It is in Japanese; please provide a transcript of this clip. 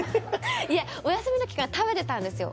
いやお休みの期間食べてたんですよ。